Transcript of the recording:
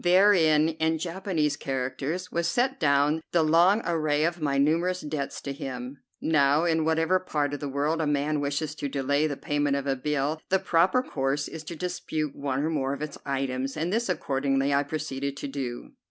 Therein, in Japanese characters, was set down the long array of my numerous debts to him. Now, in whatever part of the world a man wishes to delay the payment of a bill, the proper course is to dispute one or more of its items, and this accordingly I proceeded to do.